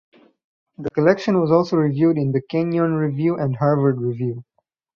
The collection was also reviewed in "The Kenyon Review" and "Harvard Review".